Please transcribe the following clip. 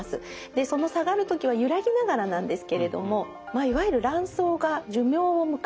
でその下がる時は揺らぎながらなんですけれどもいわゆる卵巣が寿命を迎える。